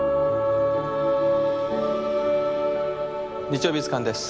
「日曜美術館」です。